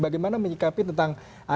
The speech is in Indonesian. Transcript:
bagaimana menyikapi tentang